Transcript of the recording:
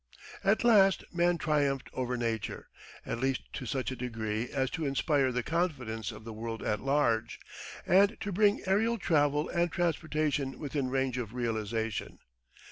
At last man triumphed over Nature at least to such a degree as to inspire the confidence of the world at large, and to bring aerial travel and transportation within range of realisation.